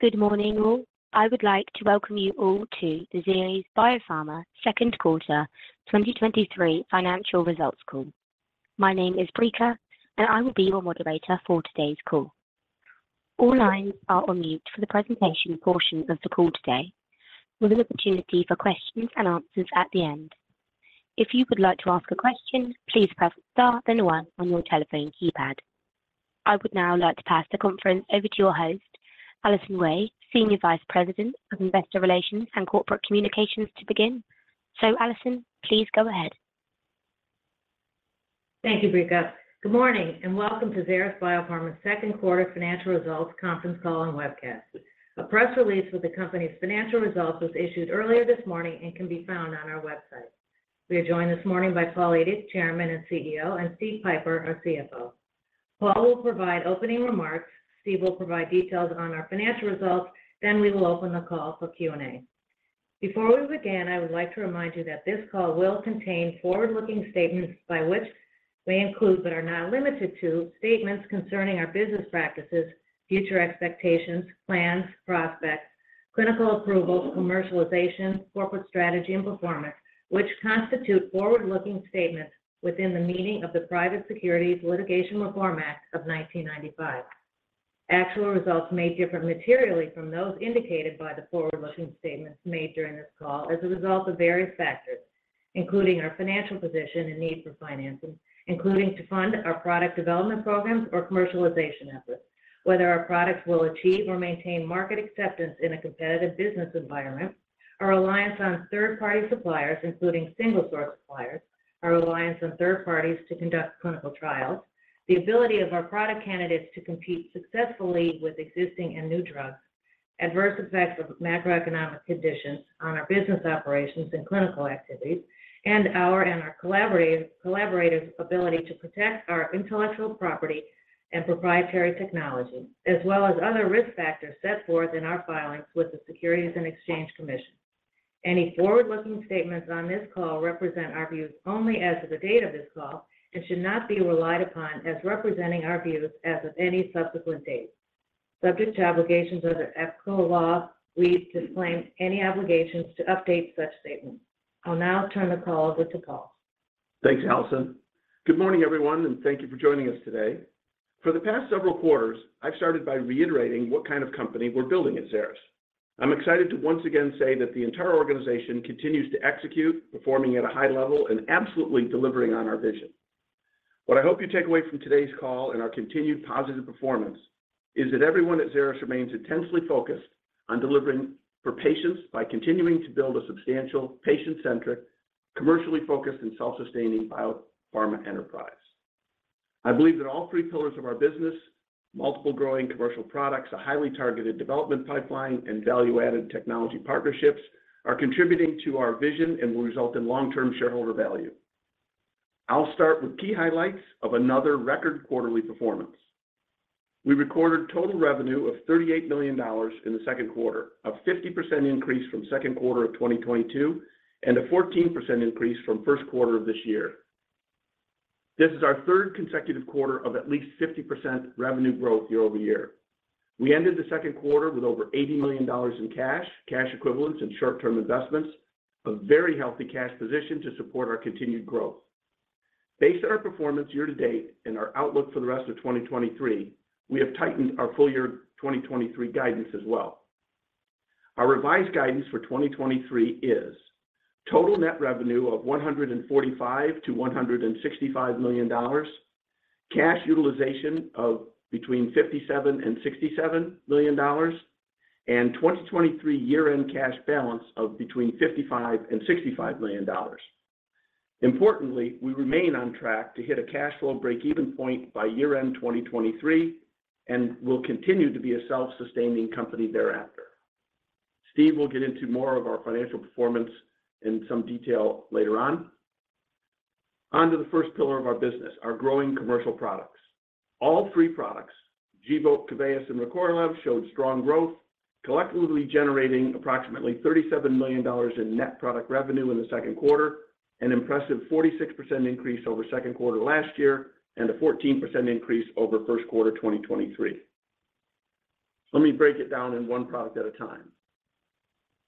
Good morning, all. I would like to welcome you all to the Xeris Biopharma second quarter 2023 financial results call. My name is Brica, and I will be your moderator for today's call. All lines are on mute for the presentation portion of the call today, with an opportunity for questions and answers at the end. If you would like to ask a question, please press star, then one on your telephone keypad. I would now like to pass the conference over to your host, Allison Wey, Senior Vice President of Investor Relations and Corporate Communications, to begin. Allison, please go ahead. Thank you, Brica. Good morning, welcome to Xeris Biopharma's second quarter financial results conference call and webcast. A press release with the company's financial results was issued earlier this morning and can be found on our website. We are joined this morning by Paul Edick, Chairman and CEO, and Steve Pieper, our CFO. Paul will provide opening remarks, Steve will provide details on our financial results, we will open the call for Q&A. Before we begin, I would like to remind you that this call will contain forward-looking statements by which may include, but are not limited to, statements concerning our business practices, future expectations, plans, prospects, clinical approvals, commercialization, corporate strategy, and performance, which constitute forward-looking statements within the meaning of the Private Securities Litigation Reform Act of 1995. Actual results may differ materially from those indicated by the forward-looking statements made during this call as a result of various factors, including our financial position and need for financing, including to fund our product development programs or commercialization efforts, whether our products will achieve or maintain market acceptance in a competitive business environment, our reliance on third-party suppliers, including single source suppliers, our reliance on third parties to conduct clinical trials, the ability of our product candidates to compete successfully with existing and new drugs, adverse effects of macroeconomic conditions on our business operations and clinical activities, and our and our collaborative ability to protect our intellectual property and proprietary technology, as well as other risk factors set forth in our filings with the Securities and Exchange Commission. Any forward-looking statements on this call represent our views only as of the date of this call and should not be relied upon as representing our views as of any subsequent date. Subject to obligations under FCO law, we disclaim any obligations to update such statements. I'll now turn the call over to Paul Edick. Thanks, Allison. Good morning, everyone, and thank you for joining us today. For the past several quarters, I've started by reiterating what kind of company we're building at Xeris. I'm excited to once again say that the entire organization continues to execute, performing at a high level and absolutely delivering on our vision. What I hope you take away from today's call and our continued positive performance is that everyone at Xeris remains intensely focused on delivering for patients by continuing to build a substantial, patient-centric, commercially focused, and self-sustaining biopharma enterprise. I believe that all three pillars of our business, multiple growing commercial products, a highly targeted development pipeline, and value-added technology partnerships, are contributing to our vision and will result in long-term shareholder value. I'll start with key highlights of another record quarterly performance. We recorded total revenue of $38 million in the second quarter, a 50% increase from second quarter of 2022, and a 14% increase from first quarter of this year. This is our third consecutive quarter of at least 50% revenue growth year-over-year. We ended the second quarter with over $80 million in cash, cash equivalents, and short-term investments, a very healthy cash position to support our continued growth. Based on our performance year to date and our outlook for the rest of 2023, we have tightened our full year 2023 guidance as well. Our revised guidance for 2023 is: total net revenue of $145 million-$165 million, cash utilization of between $57 million and $67 million, and 2023 year-end cash balance of between $55 million and $65 million. Importantly, we remain on track to hit a cash flow break-even point by year-end 2023 and will continue to be a self-sustaining company thereafter. Steve will get into more of our financial performance in some detail later on. On to the first pillar of our business, our growing commercial products. All three products, Gvoke, KEVEYIS, and RECORLEV, showed strong growth, collectively generating approximately $37 million in net product revenue in the second quarter, an impressive 46% increase over second quarter last year, and a 14% increase over first quarter 2023. Let me break it down in one product at a time.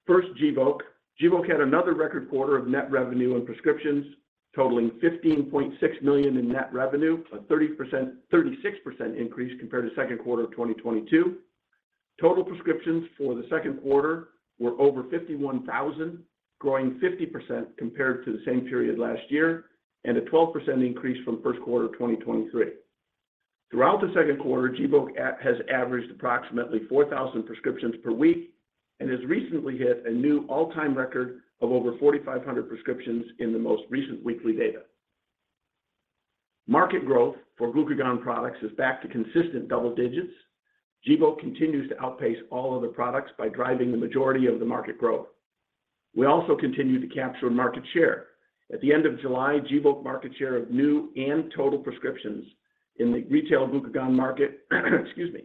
First, Gvoke. Gvoke had another record quarter of net revenue and prescriptions, totaling $15.6 million in net revenue, a 36% increase compared to second quarter of 2022. Total prescriptions for the second quarter were over 51,000, growing 50% compared to the same period last year. A 12% increase from 1st quarter of 2023. Throughout the second quarter, Gvoke has averaged approximately 4,000 prescriptions per week and has recently hit a new all-time record of over 4,500 prescriptions in the most recent weekly data. Market growth for glucagon products is back to consistent double digits. Gvoke continues to outpace all other products by driving the majority of the market growth. We also continue to capture market share. At the end of July, Gvoke market share of new and total prescriptions in the retail glucagon market, excuse me,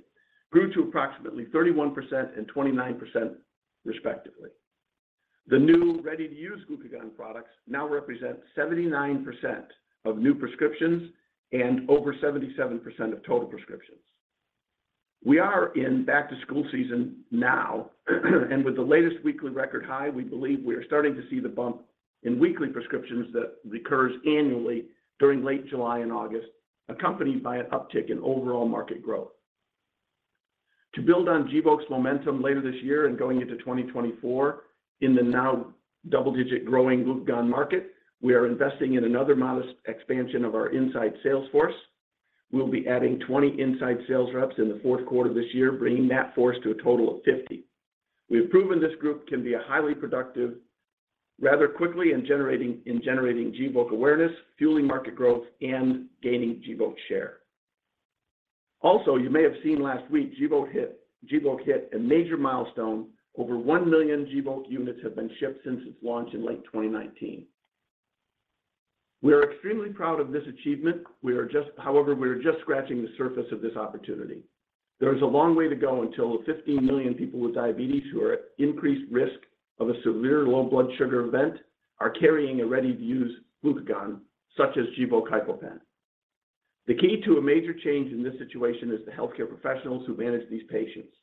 grew to approximately 31% and 29% respectively. The new ready-to-use glucagon products now represent 79% of new prescriptions and over 77% of total prescriptions. We are in back-to-school season now. With the latest weekly record high, we believe we are starting to see the bump in weekly prescriptions that recurs annually during late July and August, accompanied by an uptick in overall market growth. To build on Gvoke's momentum later this year and going into 2024, in the now double-digit growing glucagon market, we are investing in another modest expansion of our inside sales force. We'll be adding 20 inside sales reps in the fourth quarter of this year, bringing that force to a total of 50. We have proven this group can be a highly productive rather quickly in generating Gvoke awareness, fueling market growth, and gaining Gvoke share. You may have seen last week, Gvoke hit a major milestone. Over 1 million Gvoke units have been shipped since its launch in late 2019. We are extremely proud of this achievement. However, we are just scratching the surface of this opportunity. There is a long way to go until the 15 million people with diabetes who are at increased risk of a severe low blood sugar event are carrying a ready-to-use glucagon, such as Gvoke HypoPen. The key to a major change in this situation is the healthcare professionals who manage these patients.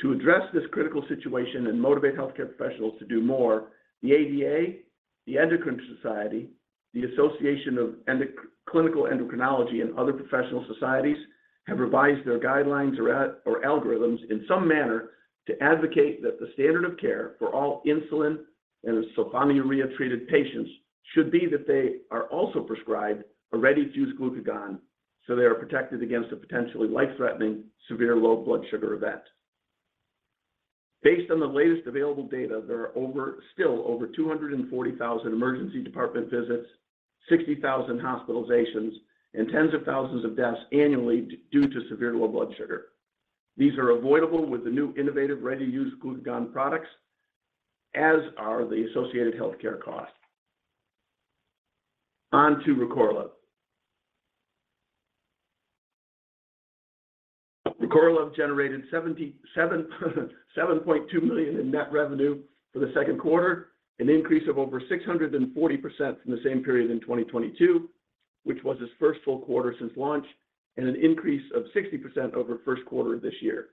To address this critical situation and motivate healthcare professionals to do more, the ADA, the Endocrine Society, the Association of Clinical Endocrinology, and other professional societies have revised their guidelines or at- or algorithms in some manner to advocate that the standard of care for all insulin and sulfonylurea-treated patients should be that they are also prescribed a ready-to-use glucagon, so they are protected against a potentially life-threatening, severe low blood sugar event. Based on the latest available data, there are still over 240,000 emergency department visits, 60,000 hospitalizations, and tens of thousands of deaths annually due to severe low blood sugar. These are avoidable with the new innovative ready-to-use glucagon products, as are the associated healthcare costs. On to RECORLEV. RECORLEV generated $7.2 million in net revenue for the second quarter, an increase of over 640% from the same period in 2022, which was its first full quarter since launch, and an increase of 60% over first quarter of this year.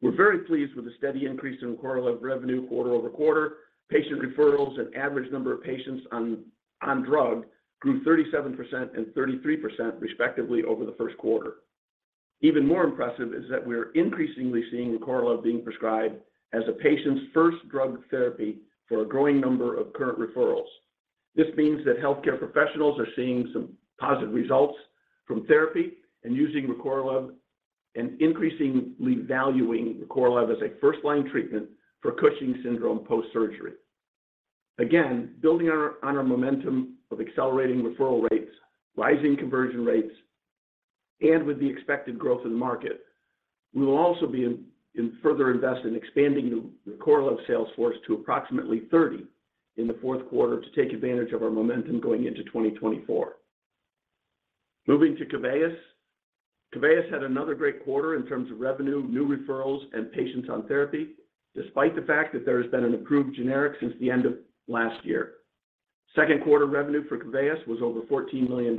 We're very pleased with the steady increase in RECORLEV revenue quarter-over-quarter. Patient referrals and average number of patients on drug grew 37% and 33% respectively over the first quarter. Even more impressive is that we are increasingly seeing RECORLEV being prescribed as a patient's first drug therapy for a growing number of current referrals. This means that healthcare professionals are seeing some positive results from therapy and using RECORLEV, and increasingly valuing RECORLEV as a first-line treatment for Cushing's syndrome post-surgery. Again, building on our momentum of accelerating referral rates, rising conversion rates, and with the expected growth in the market, we will also be in further invest in expanding the RECORLEV sales force to approximately 30 in the fourth quarter to take advantage of our momentum going into 2024. Moving to KEVEYIS. KEVEYIS had another great quarter in terms of revenue, new referrals, and patients on therapy, despite the fact that there has been an approved generic since the end of last year. Second quarter revenue for KEVEYIS was over $14 million,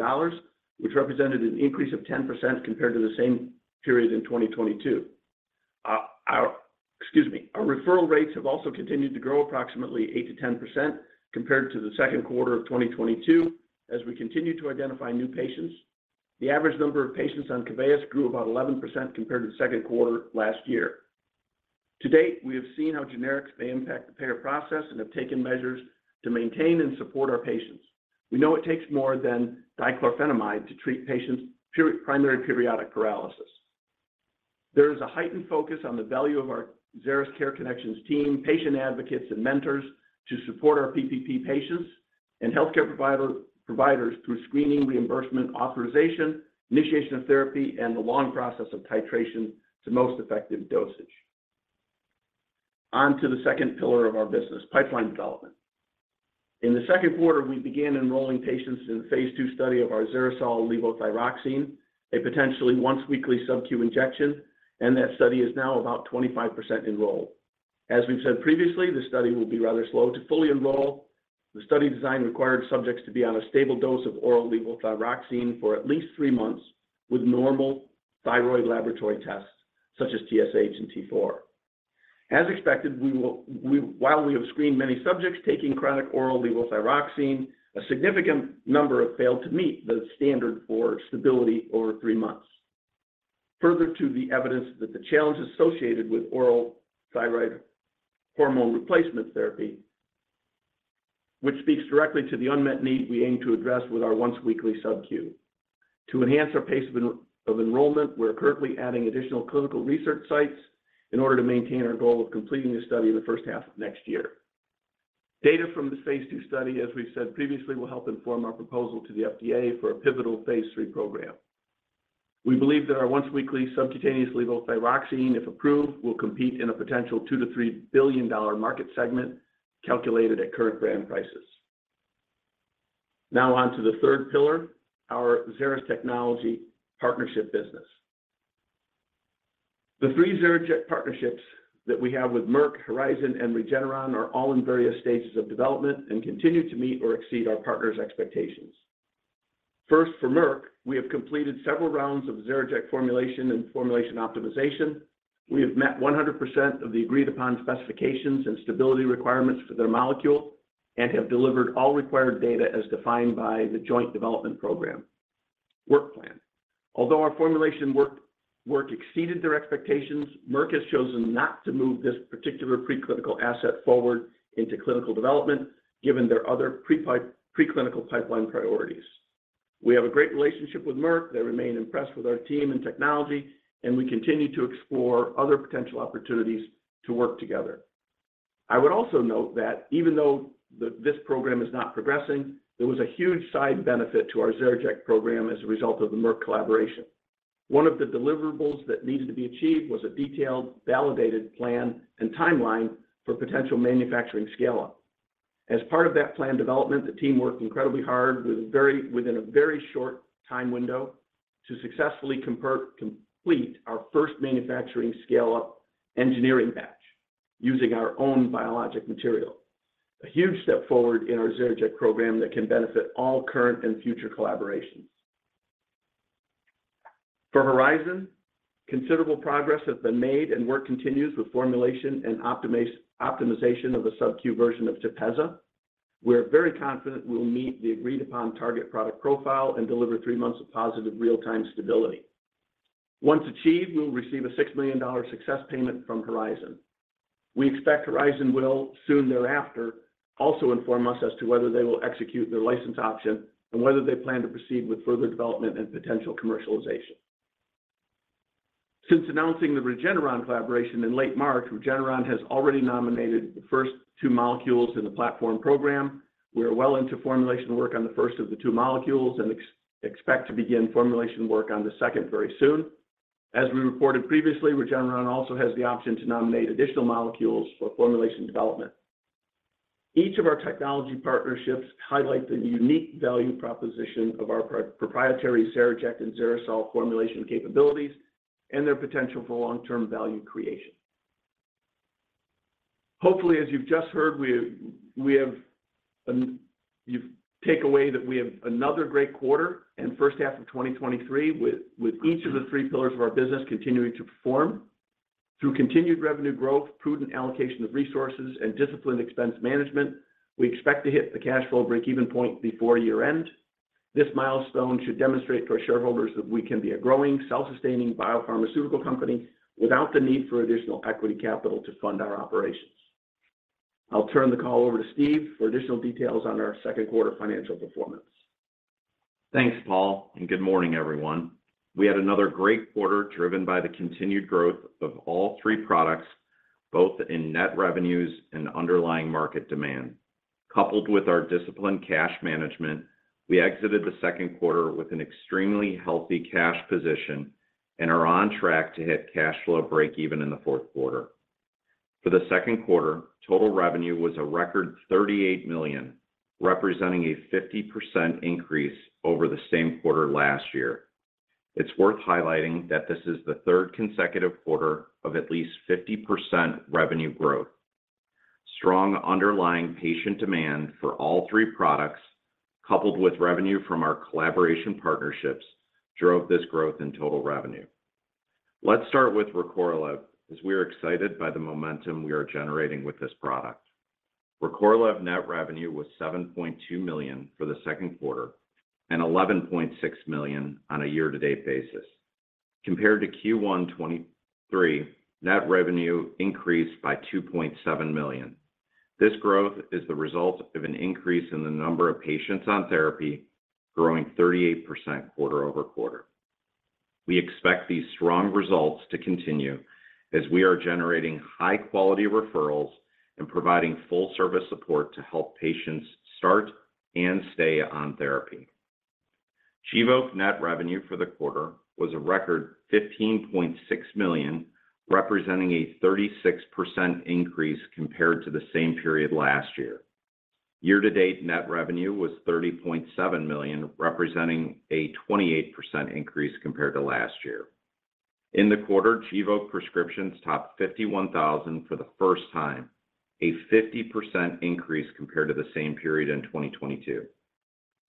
which represented an increase of 10% compared to the same period in 2022. Excuse me. Our referral rates have also continued to grow approximately 8%-10% compared to the second quarter of 2022, as we continue to identify new patients. The average number of patients on KEVEYIS grew about 11% compared to the second quarter last year. To date, we have seen how generics may impact the payer process and have taken measures to maintain and support our patients. We know it takes more than dichlorphenamide to treat patients' primary periodic paralysis. There is a heightened focus on the value of our Xeris CareConnection team, patient advocates, and mentors to support our PPP patients and healthcare providers through screening, reimbursement, authorization, initiation of therapy, and the long process of titration to most effective dosage. On to the second pillar of our business, pipeline development. In the second quarter, we began enrolling patients in the phase II study of our XeriSol levothyroxine, a potentially once-weekly subcu injection, and that study is now about 25% enrolled. As we've said previously, the study will be rather slow to fully enroll. The study design required subjects to be on a stable dose of oral levothyroxine for at least three months, with normal thyroid laboratory tests, such as TSH and T4. As expected, while we have screened many subjects taking chronic oral levothyroxine, a significant number have failed to meet the standard for stability over three months. Further to the evidence that the challenges associated with oral thyroid hormone replacement therapy, which speaks directly to the unmet need we aim to address with our once-weekly subcu. To enhance our pace of enrollment, we're currently adding additional clinical research sites in order to maintain our goal of completing this study in the first half of next year. Data from this phase II study, as we've said previously, will help inform our proposal to the FDA for a pivotal phase III program. We believe that our once-weekly subcutaneous levothyroxine, if approved, will compete in a potential $2 billion-$3 billion market segment, calculated at current brand prices. Now, on to the third pillar, our Xeris technology partnership business. The three XeriJect partnerships that we have with Merck, Horizon, and Regeneron are all in various stages of development and continue to meet or exceed our partners' expectations. First, for Merck, we have completed several rounds of XeriJect formulation and formulation optimization. We have met 100% of the agreed-upon specifications and stability requirements for their molecule, and have delivered all required data as defined by the joint development program work plan. Although our formulation work, work exceeded their expectations, Merck has chosen not to move this particular preclinical asset forward into clinical development, given their other preclinical pipeline priorities. We have a great relationship with Merck. They remain impressed with our team and technology, and we continue to explore other potential opportunities to work together. I would also note that even though this program is not progressing, there was a huge side benefit to our XeriJect program as a result of the Merck collaboration. One of the deliverables that needed to be achieved was a detailed, validated plan and timeline for potential manufacturing scale-up. As part of that plan development, the team worked incredibly hard within a very short time window to successfully complete our first manufacturing scale-up engineering batch, using our own biologic material. A huge step forward in our XeriJect program that can benefit all current and future collaborations. For Horizon, considerable progress has been made, and work continues with formulation and optimization of the subq version of TEPEZZA. We're very confident we'll meet the agreed-upon target product profile and deliver three months of positive real-time stability. Once achieved, we'll receive a $60 million success payment from Horizon. We expect Horizon will, soon thereafter, also inform us as to whether they will execute their license option and whether they plan to proceed with further development and potential commercialization. Since announcing the Regeneron collaboration in late March, Regeneron has already nominated the first two molecules in the platform program. We are well into formulation work on the first of the two molecules and expect to begin formulation work on the second very soon. As we reported previously, Regeneron also has the option to nominate additional molecules for formulation development. Each of our technology partnerships highlight the unique value proposition of our proprietary XeriJect and XeriSol formulation capabilities and their potential for long-term value creation. Hopefully, as you've just heard, we have, you take away that we have another great quarter and first half of 2023, with each of the 3 pillars of our business continuing to perform. Through continued revenue growth, prudent allocation of resources, and disciplined expense management, we expect to hit the cash flow breakeven point before year-end. This milestone should demonstrate to our shareholders that we can be a growing, self-sustaining biopharmaceutical company without the need for additional equity capital to fund our operations. I'll turn the call over to Steve for additional details on our second quarter financial performance. Thanks, Paul. Good morning, everyone. We had another great quarter, driven by the continued growth of all three products, both in net revenues and underlying market demand. Coupled with our disciplined cash management, we exited the second quarter with an extremely healthy cash position and are on track to hit cash flow breakeven in the fourth quarter. For the second quarter, total revenue was a record $38 million, representing a 50% increase over the same quarter last year. It's worth highlighting that this is the third consecutive quarter of at least 50% revenue growth. Strong underlying patient demand for all three products, coupled with revenue from our collaboration partnerships, drove this growth in total revenue. Let's start with RECORLEV, as we are excited by the momentum we are generating with this product. RECORLEV net revenue was $7.2 million for the second quarter and $11.6 million on a year-to-date basis. Compared to Q1 '23, net revenue increased by $2.7 million. This growth is the result of an increase in the number of patients on therapy, growing 38% quarter-over-quarter. We expect these strong results to continue as we are generating high-quality referrals and providing full service support to help patients start and stay on therapy. Gvoke net revenue for the quarter was a record $15.6 million, representing a 36% increase compared to the same period last year. Year-to-date net revenue was $30.7 million, representing a 28% increase compared to last year. In the quarter, Gvoke prescriptions topped 51,000 for the first time, a 50% increase compared to the same period in 2022.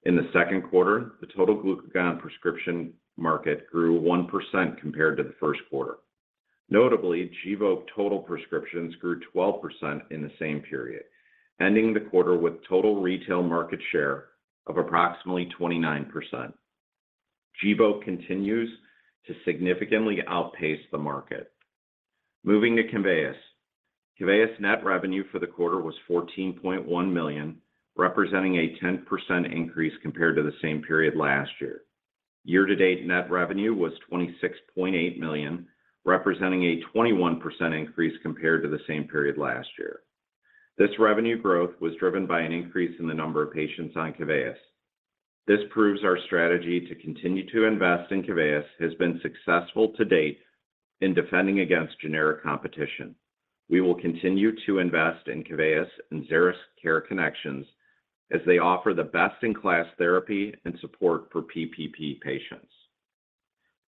In the second quarter, the total glucagon prescription market grew 1% compared to the first quarter. Notably, Gvoke total prescriptions grew 12% in the same period, ending the quarter with total retail market share of approximately 29%. Gvoke continues to significantly outpace the market. Moving to KEVEYIS. KEVEYIS net revenue for the quarter was $14.1 million, representing a 10% increase compared to the same period last year. Year-to-date net revenue was $26.8 million, representing a 21% increase compared to the same period last year. This revenue growth was driven by an increase in the number of patients on KEVEYIS. This proves our strategy to continue to invest in KEVEYIS has been successful to date in defending against generic competition. We will continue to invest in KEVEYIS and Xeris CareConnection as they offer the best-in-class therapy and support for PPP patients.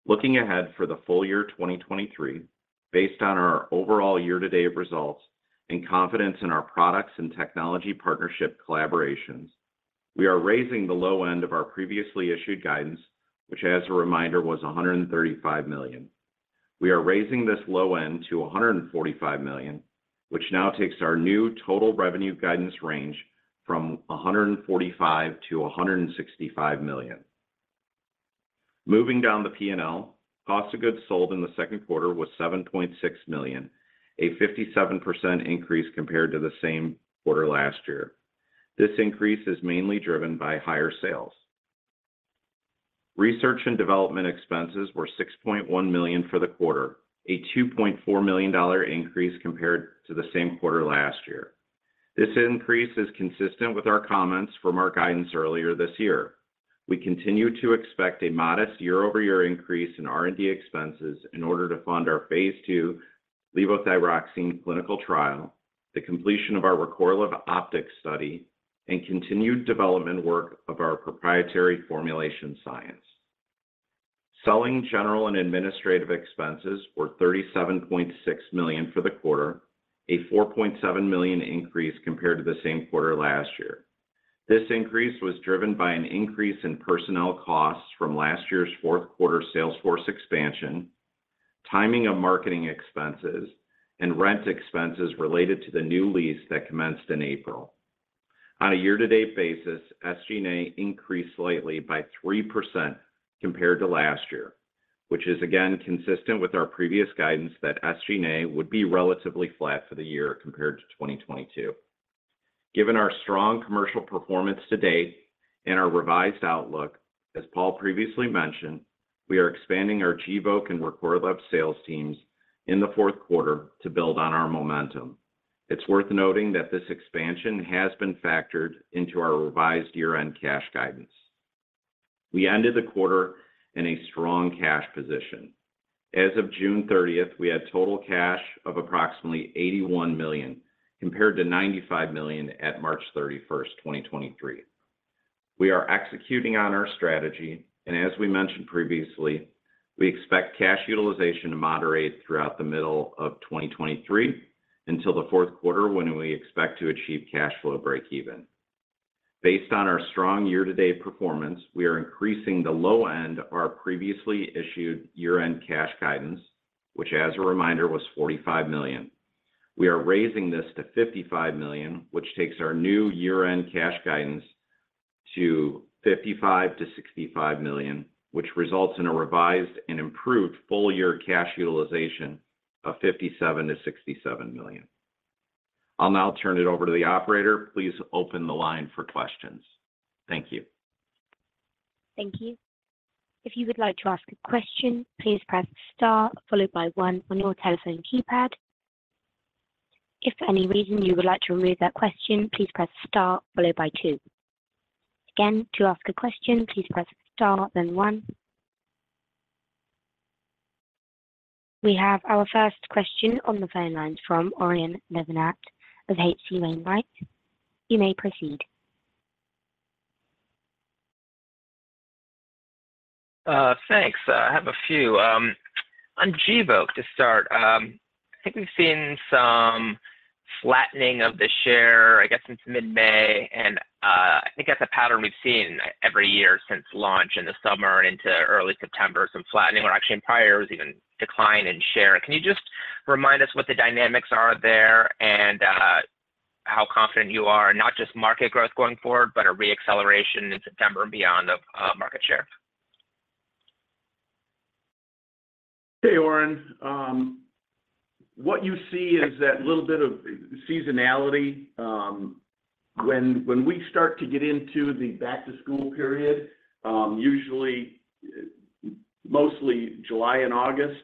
Looking ahead for the full year 2023, based on our overall year-to-date results and confidence in our products and technology partnership collaborations, we are raising the low end of our previously issued guidance, which as a reminder, was $135 million. We are raising this low end to $145 million, which now takes our new total revenue guidance range from $145 million-$165 million. Moving down the P&L, cost of goods sold in the second quarter was $7.6 million, a 57% increase compared to the same quarter last year. This increase is mainly driven by higher sales. Research and development expenses were $6.1 million for the quarter, a $2.4 million increase compared to the same quarter last year. This increase is consistent with our comments from our guidance earlier this year. We continue to expect a modest year-over-year increase in R&D expenses in order to fund our phase II levothyroxine clinical trial, the completion of our RECORLEV OPTIC study, and continued development work of our proprietary formulation science. Selling, general, and administrative expenses were $37.6 million for the quarter, a $4.7 million increase compared to the same quarter last year. This increase was driven by an increase in personnel costs from last year's fourth quarter sales force expansion, timing of marketing expenses, and rent expenses related to the new lease that commenced in April. On a year-to-date basis, SG&A increased slightly by 3% compared to last year, which is again consistent with our previous guidance that SG&A would be relatively flat for the year compared to 2022. Given our strong commercial performance to date and our revised outlook, as Paul previously mentioned, we are expanding our Gvoke and RECORLEV sales teams in the fourth quarter to build on our momentum. It's worth noting that this expansion has been factored into our revised year-end cash guidance. We ended the quarter in a strong cash position. As of June 30, we had total cash of approximately $81 million, compared to $95 million at March 31st, 2023. We are executing on our strategy, as we mentioned previously, we expect cash utilization to moderate throughout the middle of 2023 until the fourth quarter, when we expect to achieve cash flow breakeven. Based on our strong year-to-date performance, we are increasing the low end of our previously issued year-end cash guidance, which as a reminder, was $45 million. We are raising this to $55 million, which takes our new year-end cash guidance to $55 million-$65 million, which results in a revised and improved full-year cash utilization of $57 million-$67 million. I'll now turn it over to the operator. Please open the line for questions. Thank you. Thank you. If you would like to ask a question, please press star followed by one on your telephone keypad. If for any reason you would like to remove that question, please press star followed by one. Again, to ask a question, please press star, then one. We have our first question on the phone lines from Oren Livnat of H.C. Wainwright. You may proceed. Thanks. I have a few. On Gvoke, to start, I think we've seen some flattening of the share, I guess, since mid-May, and I think that's a pattern we've seen every year since launch in the summer and into early September, some flattening or actually in prior, it was even decline in share. Can you just remind us what the dynamics are there and how confident you are, not just market growth going forward, but a reacceleration in September and beyond of market share? Hey, Oren. What you see is that little bit of seasonality. When, when we start to get into the back-to-school period, usually, mostly July and August,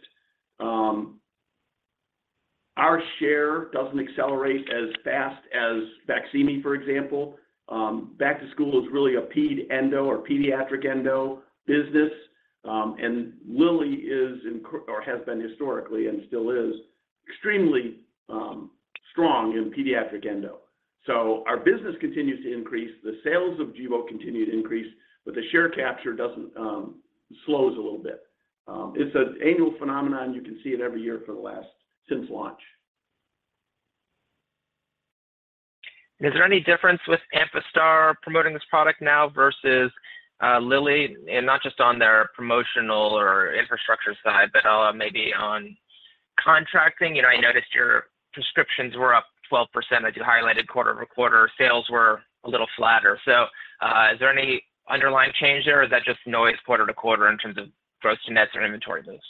our share doesn't accelerate as fast as BAQSIMI, for example. Back to school is really a ped endo or pediatric endo business, and Lilly is incre-- or has been historically and still is extremely strong in pediatric endo. Our business continues to increase, the sales of Gvoke continue to increase, but the share capture doesn't slows a little bit. It's an annual phenomenon. You can see it every year for the last since launch. Is there any difference with Amphastar promoting this product now versus Lilly? Not just on their promotional or infrastructure side, but maybe on contracting. You know, I noticed your prescriptions were up 12%, as you highlighted quarter-over-quarter. Sales were a little flatter. Is there any underlying change there, or is that just noise quarter-to-quarter in terms of gross nets or inventory loss?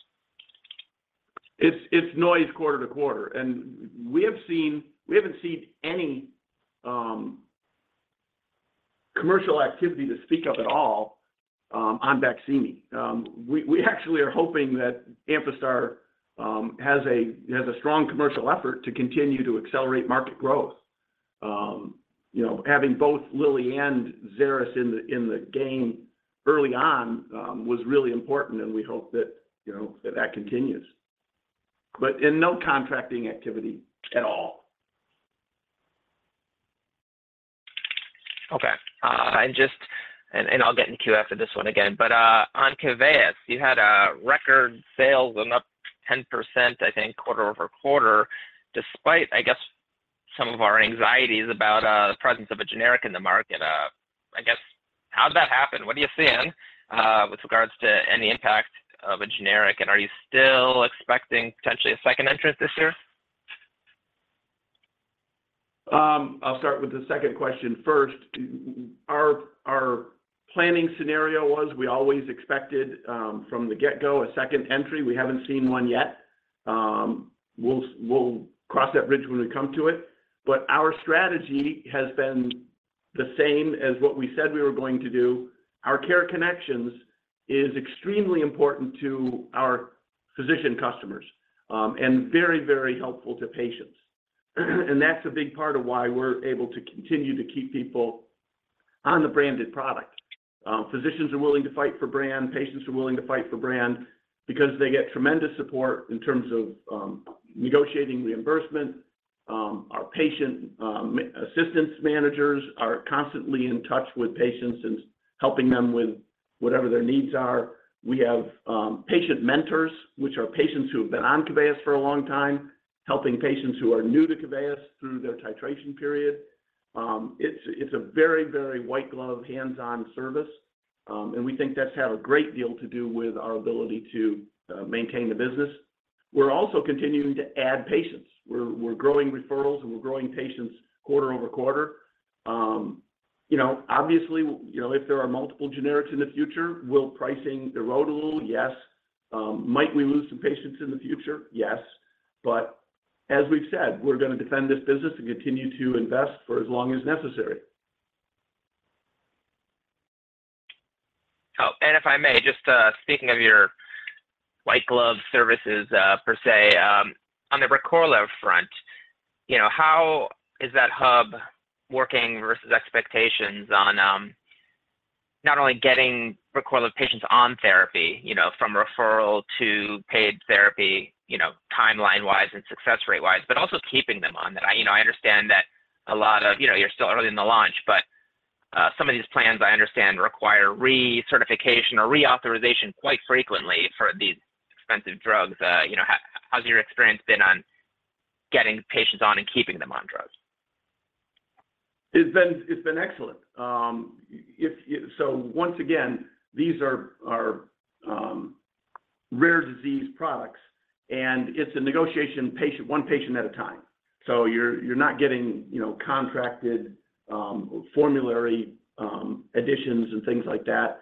It's, it's noise quarter to quarter, and we have seen-- we haven't seen any commercial activity to speak of at all on BAQSIMI. We, we actually are hoping that Amphastar has a strong commercial effort to continue to accelerate market growth. You know, having both Lilly and Xeris in the, in the game early on, was really important, and we hope that, you know, that continues. In no contracting activity at all. Okay, I just, and I'll get in queue after this one again. On KEVEYIS, you had record sales and up 10%, I think, quarter-over-quarter, despite, I guess, some of our anxieties about the presence of a generic in the market. I guess, how did that happen? What are you seeing with regards to any impact of a generic, and are you still expecting potentially a second entrance this year? I'll start with the second question first. Our planning scenario was we always expected from the get-go, a second entry. We haven't seen one yet. We'll cross that bridge when we come to it, but our strategy has been the same as what we said we were going to do. Our Xeris CareConnection is extremely important to our physician customers and very, very helpful to patients. That's a big part of why we're able to continue to keep people on the branded product. Physicians are willing to fight for brand, patients are willing to fight for brand because they get tremendous support in terms of negotiating reimbursement. Our patient assistance managers are constantly in touch with patients and helping them with whatever their needs are. We have patient mentors, which are patients who have been on KEVEYIS for a long time, helping patients who are new to KEVEYIS through their titration period. It's, it's a very, very white-glove, hands-on service, and we think that's had a great deal to do with our ability to maintain the business. We're also continuing to add patients. We're, we're growing referrals, and we're growing patients quarter-over-quarter. You know, obviously, you know, if there are multiple generics in the future, will pricing erode a little? Yes. Might we lose some patients in the future? Yes. As we've said, we're gonna defend this business and continue to invest for as long as necessary. Oh, and if I may, just speaking of your white-glove services, per se, on the RECORLEV front, you know, how is that hub working versus expectations on, not only getting RECORLEV patients on therapy, you know, from referral to paid therapy, you know, timeline-wise and success rate-wise, but also keeping them on? That I, you know, I understand that a lot of... You know, you're still early in the launch, but some of these plans, I understand, require recertification or reauthorization quite frequently for these expensive drugs. You know, how, how's your experience been on getting patients on and keeping them on drugs? It's been, it's been excellent. Once again, these are, are, rare disease products, and it's a negotiation patient, one patient at a time. You're, you're not getting, you know, contracted, formulary, additions and things like that.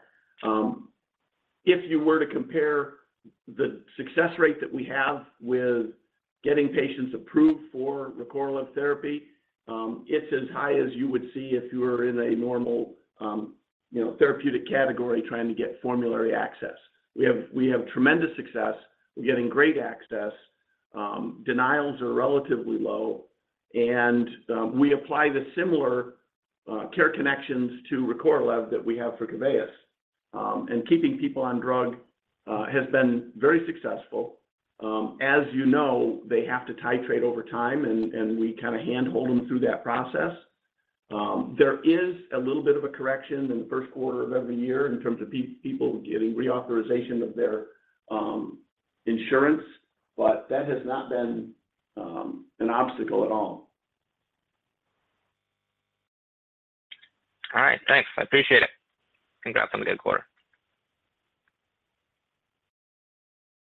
If you were to compare the success rate that we have with getting patients approved for RECORLEV therapy, it's as high as you would see if you were in a normal, you know, therapeutic category trying to get formulary access. We have, we have tremendous success. We're getting great access, denials are relatively low, and, we apply the similar, CareConnection to RECORLEV that we have for KEVEYIS. Keeping people on drug, has been very successful. As you know, they have to titrate over time, and, and we kinda handhold them through that process. There is a little bit of a correction in the first quarter of every year in terms of people getting reauthorization of their insurance, but that has not been an obstacle at all. All right. Thanks. I appreciate it. Congrats on a good quarter.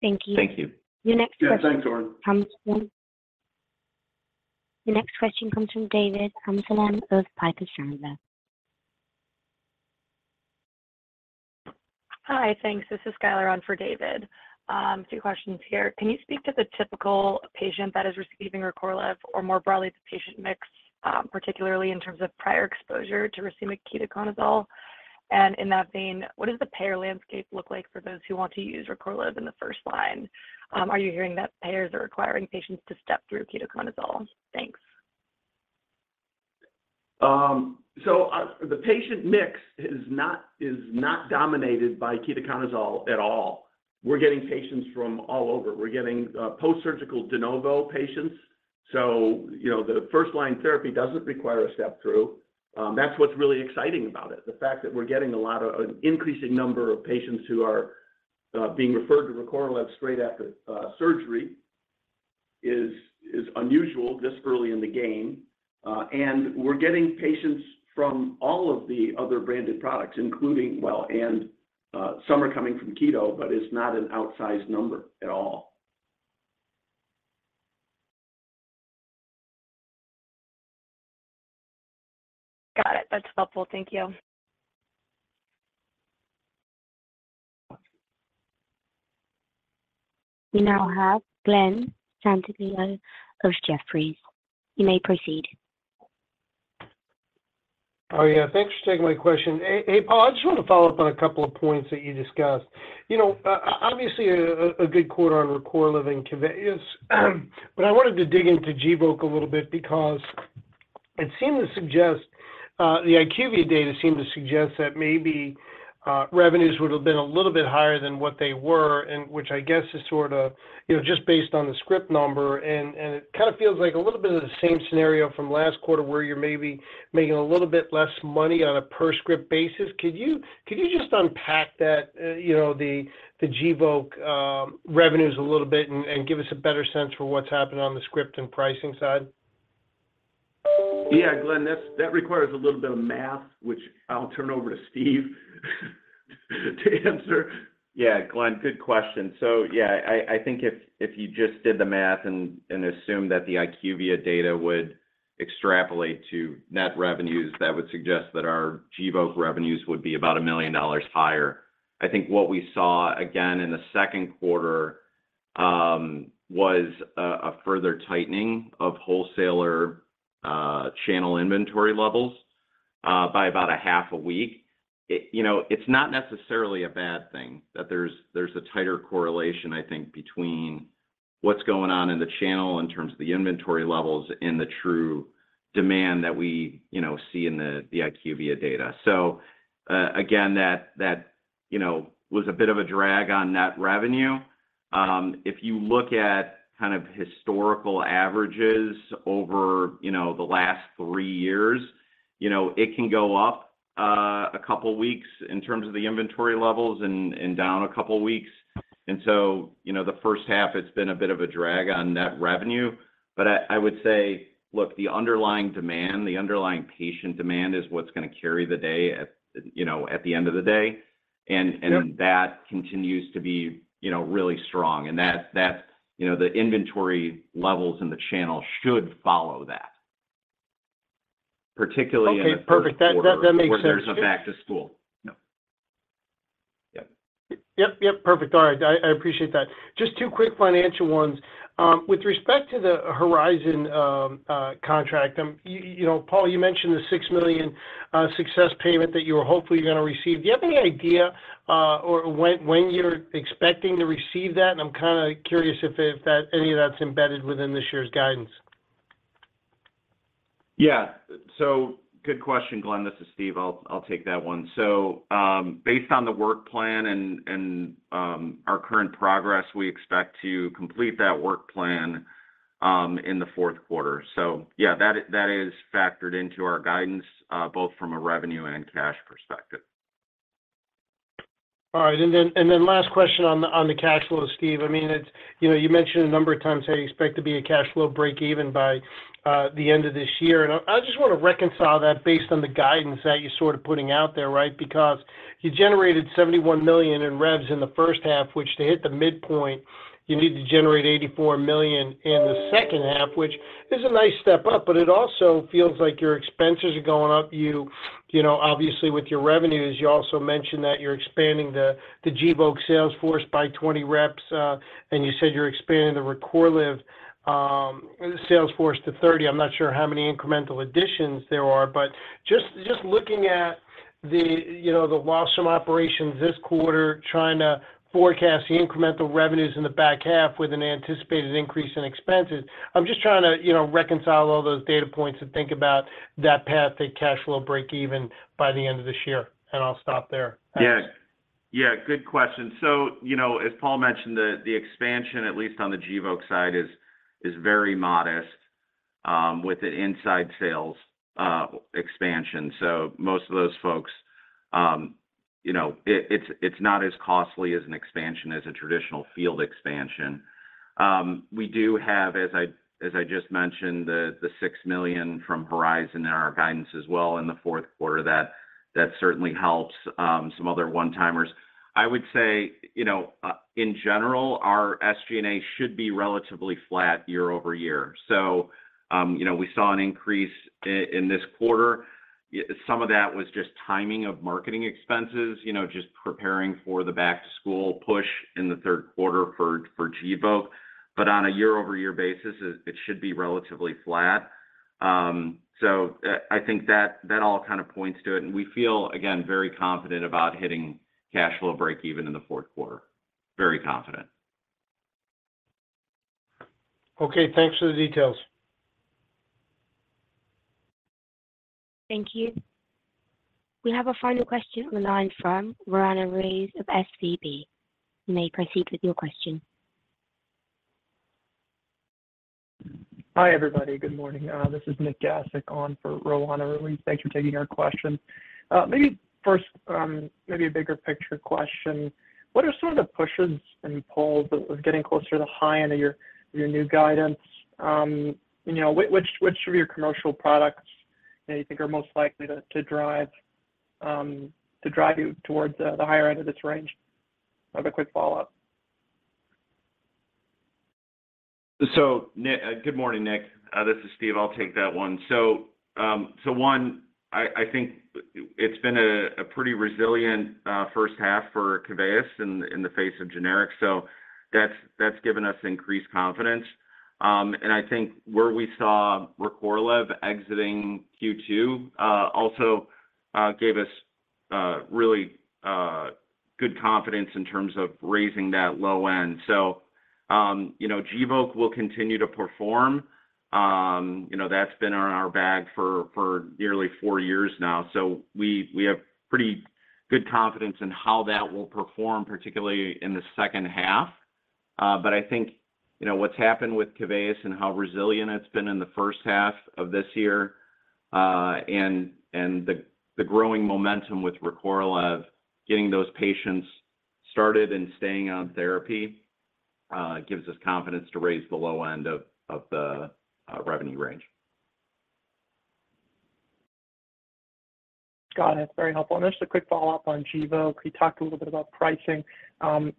Thank you. Thank you. Your next question- Yeah, thanks, Oren. Your next question comes from David Amsellem of Piper Sandler. Hi, thanks. This is Skylar on for David. A few questions here. Can you speak to the typical patient that is receiving RECORLEV, or more broadly, the patient mix, particularly in terms of prior exposure to receive ketoconazole? In that vein, what does the payer landscape look like for those who want to use RECORLEV in the first line? Are you hearing that payers are requiring patients to step through ketoconazole? Thanks. The patient mix is not, is not dominated by ketoconazole at all. We're getting patients from all over. We're getting post-surgical de novo patients, you know, the first-line therapy doesn't require a step through. That's what's really exciting about it. The fact that we're getting a lot of, an increasing number of patients who are being referred to RECORLEV straight after surgery is unusual this early in the game. We're getting patients from all of the other branded products, including... Well, some are coming from keto, it's not an outsized number at all. Got it. That's helpful. Thank you. We now have Glen Santangello of Jefferies. You may proceed. Oh, yeah. Thanks for taking my question. Hey, hey, Paul Edick, I just want to follow up on a couple of points that you discussed. You know, obviously, a, a good quarter on RECORLEV and KEVEYIS, but I wanted to dig into Gvoke a little bit because-... It seemed to suggest, the IQVIA data seemed to suggest that maybe revenues would have been a little bit higher than what they were, and which I guess is sort of, you know, just based on the script number. And it kind of feels like a little bit of the same scenario from last quarter, where you're maybe making a little bit less money on a per-script basis. Could you, could you just unpack that, you know, the, the Gvoke, revenues a little bit and, and give us a better sense for what's happening on the script and pricing side? Yeah, Glen, that's, that requires a little bit of math, which I'll turn over to Steve to answer. Yeah, Glen, good question. Yeah, I, I think if, if you just did the math and, and assumed that the IQVIA data would extrapolate to net revenues, that would suggest that our Gvoke revenues would be about $1 million higher. I think what we saw again in the second quarter was a further tightening of wholesaler channel inventory levels by about a half a week. It, you know, it's not necessarily a bad thing, that there's, there's a tighter correlation, I think, between what's going on in the channel in terms of the inventory levels and the true demand that we, you know, see in the, the IQVIA data. Again, that, that, you know, was a bit of a drag on net revenue. If you look at kind of historical averages over, you know, the last 3 years, you know, it can go up, a couple of weeks in terms of the inventory levels and, and down a couple of weeks. So, you know, the first half, it's been a bit of a drag on net revenue, but I, I would say, look, the underlying demand, the underlying patient demand is what's going to carry the day at, you know, at the end of the day. Yep. That continues to be, you know, really strong. That, you know, the inventory levels in the channel should follow that. Particularly in the-. Okay, perfect. That, that, that makes sense. ...Fourth quarter, where there's a back to school. Yep. Yep, yep, perfect. All right, I, I appreciate that. Just two quick financial ones. With respect to the Horizon contract, you know, Paul, you mentioned the $6 million success payment that you were hopefully going to receive. Do you have any idea or when, when you're expecting to receive that? I'm kind of curious if any of that's embedded within this year's guidance. Yeah. Good question, Glen. This is Steve. I'll, I'll take that one. Based on the work plan and, and, our current progress, we expect to complete that work plan, in the fourth quarter. Yeah, that is, that is factored into our guidance, both from a revenue and cash perspective. All right. Last question on the cash flow, Steve. I mean, it's, you know, you mentioned a number of times how you expect to be a cash flow break even by the end of this year. I just want to reconcile that based on the guidance that you're sort of putting out there, right? Because you generated $71 million in revs in the first half, which to hit the midpoint, you need to generate $84 million in the second half, which is a nice step up, but it also feels like your expenses are going up. You, you know, obviously, with your revenues, you also mentioned that you're expanding the Gvoke sales force by 20 reps, and you said you're expanding the RECORLEV sales force to 30. I'm not sure how many incremental additions there are, but just, just looking at the, you know, the loss from operations this quarter, trying to forecast the incremental revenues in the back half with an anticipated increase in expenses, I'm just trying to, you know, reconcile all those data points and think about that path to cash flow break even by the end of this year. I'll stop there. Yeah. Yeah, good question. You know, as Paul EdIck mentioned, the expansion, at least on the Gvoke side, is very modest, with an inside sales expansion. Most of those folks, you know, it's not as costly as an expansion as a traditional field expansion. We do have, as I, as I just mentioned, the $6 million from Horizon in our guidance as well in the fourth quarter, that certainly helps, some other one-timers. I would say, you know, in general, our SG&A should be relatively flat year-over-year. You know, we saw an increase in this quarter. Some of that was just timing of marketing expenses, you know, just preparing for the back-to-school push in the third quarter for Gvoke. On a year-over-year basis, it should be relatively flat. I think that, that all kind of points to it. We feel, again, very confident about hitting cash flow break even in the fourth quarter. Very confident. Okay, thanks for the details. Thank you. We have a final question on the line from Roanna Ruiz of SVB. You may proceed with your question. Hi, everybody. Good morning. This is Nick Gasik on for Roanna Ruiz. Thanks for taking our question. Maybe first, maybe a bigger picture question: What are some of the pushes and pulls of getting closer to the high end of your, your new guidance? You know, which, which of your commercial products do you think are most likely to, to drive, to drive you towards the, the higher end of this range? I have a quick follow-up. Good morning, Nick Gasik. This is Steve Pieper. I'll take that one. I think it's been a pretty resilient first half for KEVEYIS in the face of generics, so that's given us increased confidence. I think where we saw RECORLEV exiting Q2 also gave us really good confidence in terms of raising that low end. You know, Gvoke will continue to perform. You know, that's been on our bag for nearly four years now. We have pretty good confidence in how that will perform, particularly in the second half. I think, you know, what's happened with KEVEYIS and how resilient it's been in the first half of this year, and the growing momentum with RECORLEV, getting those patients started and staying on therapy, gives us confidence to raise the low end of the revenue range. Got it. Very helpful. And just a quick follow-up on Gvoke. You talked a little bit about pricing.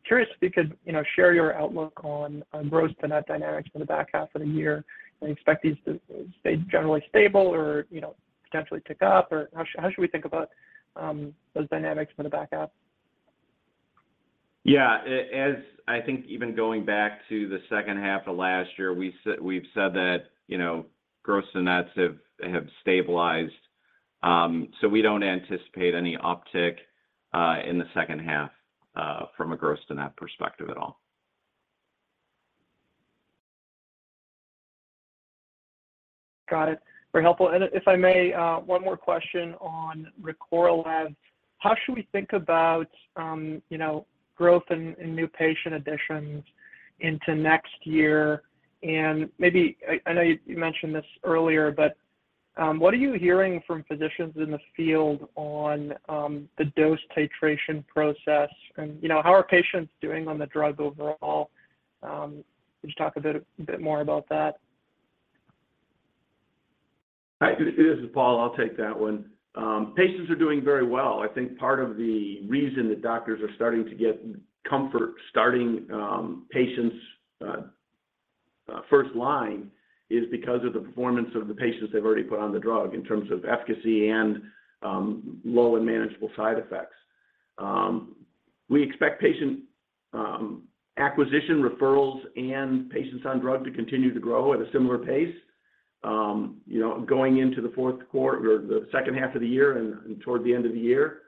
Curious if you could, you know, share your outlook on, on gross-to-net dynamics for the back half of the year. Do you expect these to stay generally stable or, you know, potentially tick up, or how should, how should we think about those dynamics for the back half? Yeah. as I think even going back to the second half of last year, we've said that, you know, gross to nets have, have stabilized. we don't anticipate any uptick in the second half from a gross to net perspective at all. Got it. Very helpful. If I may, one more question on RECORLEV. How should we think about, you know, growth in, in new patient additions into next year? Maybe, I, I know you, you mentioned this earlier, but, what are you hearing from physicians in the field on the dose titration process? You know, how are patients doing on the drug overall? Could you talk a bit, bit more about that? Hi, this is Paul. I'll take that one. Patients are doing very well. I think part of the reason that doctors are starting to get comfort starting patients first line is because of the performance of the patients they've already put on the drug in terms of efficacy and low and manageable side effects. We expect patient acquisition, referrals, and patients on drug to continue to grow at a similar pace. You know, going into the fourth quarter or the second half of the year and toward the end of the year,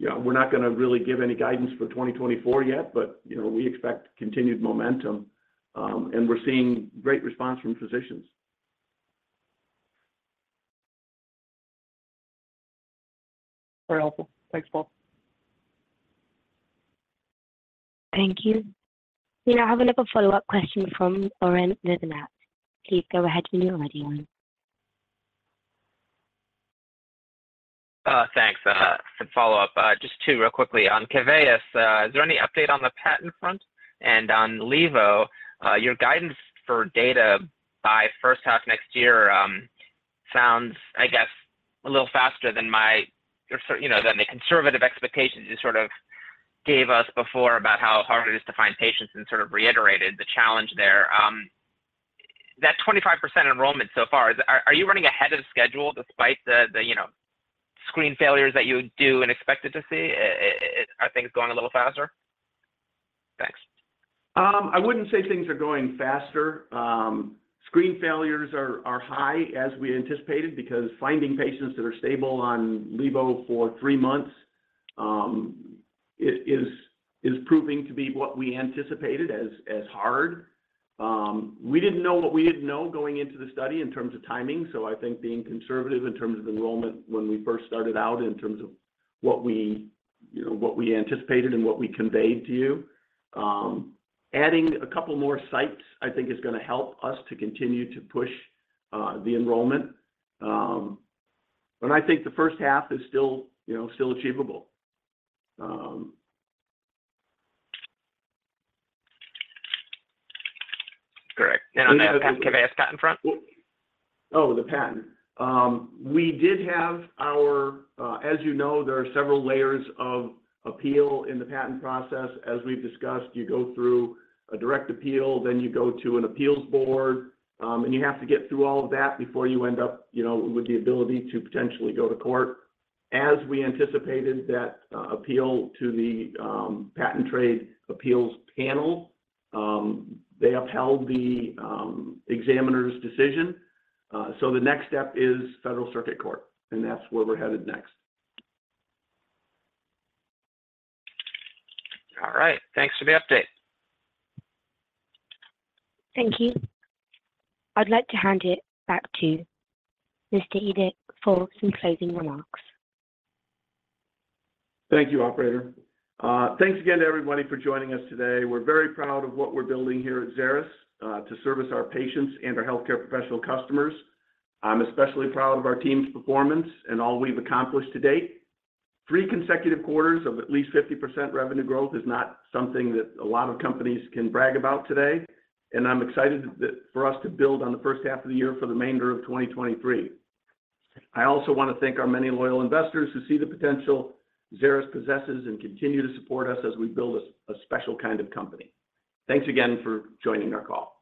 yeah, we're not gonna really give any guidance for 2024 yet, but, you know, we expect continued momentum and we're seeing great response from physicians. Very helpful. Thanks, Paul. Thank you. We now have another follow-up question from Oren Livnat. Please go ahead when you're ready, Oren. Thanks. For the follow-up, just two real quickly. On KEVEYIS, is there any update on the patent front? On Levo, your guidance for data by first half next year sounds, I guess, a little faster than my or sort-- you know, than the conservative expectations you sort of gave us before about how hard it is to find patients and sort of reiterated the challenge there. That 25% enrollment so far, is-- are, are you running ahead of schedule despite the, the, you know, screen failures that you do and expected to see? Are things going a little faster? Thanks. I wouldn't say things are going faster. Screen failures are, are high as we anticipated, because finding patients that are stable on Levo for three months is proving to be what we anticipated as hard. We didn't know what we didn't know going into the study in terms of timing, so I think being conservative in terms of enrollment when we first started out, in terms of what we, you know, what we anticipated and what we conveyed to you. Adding a couple more sites, I think is gonna help us to continue to push the enrollment. I think the first half is still, you know, still achievable. Great. And- On the other hand, KEVEYIS patent front? Oh, the patent. We did have our... as you know, there are several layers of appeal in the patent process. As we've discussed, you go through a direct appeal, then you go to an appeals board, and you have to get through all of that before you end up, you know, with the ability to potentially go to court. As we anticipated, that appeal to the Patent Trial and Appeal Board, they upheld the examiner's decision. The next step is Federal Circuit Court, and that's where we're headed next. All right. Thanks for the update. Thank you. I'd like to hand it back to Mr. Edick for some closing remarks. Thank you, operator. Thanks again to everybody for joining us today. We're very proud of what we're building here at Xeris, to service our patients and our healthcare professional customers. I'm especially proud of our team's performance and all we've accomplished to date. Three consecutive quarters of at least 50% revenue growth is not something that a lot of companies can brag about today, and I'm excited for us to build on the first half of the year for the remainder of 2023. I also want to thank our many loyal investors who see the potential Xeris possesses and continue to support us as we build a, a special kind of company. Thanks again for joining our call.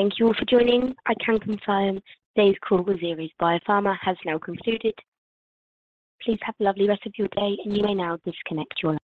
Thank you all for joining. I can confirm today's call with Xeris Biopharma has now concluded. Please have a lovely rest of your day, and you may now disconnect your line.